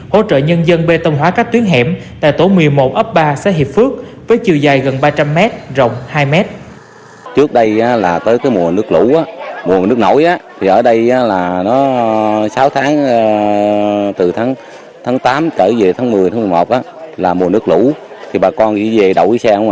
hỗ trợ nhân dân bê tông hóa các tuyến hẻm tại tổ một mươi một ấp ba xã hiệp phước với chiều dài gần ba trăm linh mét rộng hai mét